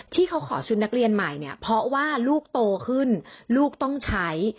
ที่เขาขอชุดนักเรียนใหม่เนี่ยเพราะว่าลูกโตขึ้นลูกต้องใช้